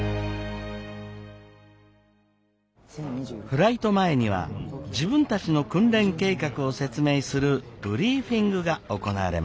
フライト前には自分たちの訓練計画を説明するブリーフィングが行われます。